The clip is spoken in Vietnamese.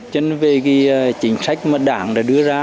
chính vì cái chính sách mà đảng đã đưa ra